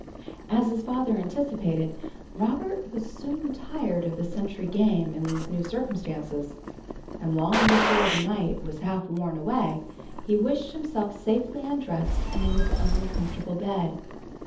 As his father anticipated, Robert was soon tired of the sentry game in these new circumstances, and long before the night had half worn away he wished himself safely undressed and in his own comfortable bed.